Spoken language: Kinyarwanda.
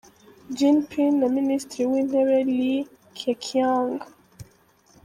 Jinping na Minisitiri w’Intebe, Li Keqiang.